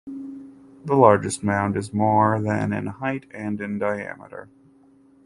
The largest mound is more than in height and in diameter.